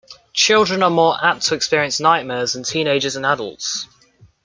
Children are more apt to experience nightmares than teenagers and adults.